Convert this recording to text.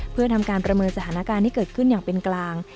เพื่อทำการประเมินสถานการณ์ที่เกิดขึ้นอย่างเป็นกลาง